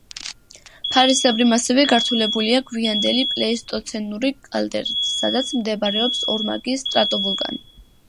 ფარისებრი მასივი გართულებულია გვიანდელი პლეისტოცენური კალდერით, სადაც მდებარეობს ორმაგი სტრატოვულკანი.